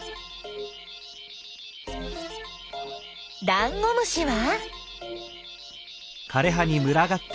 ダンゴムシは？